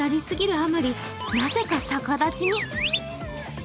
あまりなぜか逆立ちに。